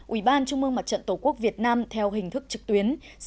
ủy ban trung mương mặt trận tổ quốc việt nam theo hình thức trực tuyến